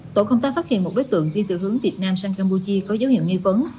tổ công tác phát hiện một đối tượng đi từ hướng việt nam sang campuchia có dấu hiệu nghi vấn